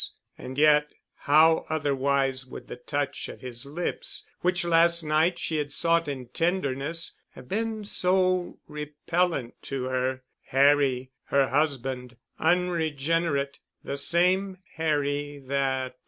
And yet how otherwise would the touch of his lips, which last night she had sought in tenderness, have been so repellent to her? Harry—her husband—unregenerate—the same Harry that....